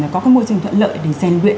có cái môi trường thuận lợi để rèn luyện